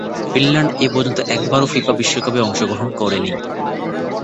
Finland এপর্যন্ত একবারও FIFA বিশ্বকাপে অংশগ্রহণ করেনি।